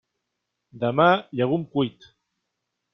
Demà, llegum cuit.